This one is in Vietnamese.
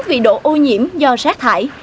vì độ ô nhiễm do rác thải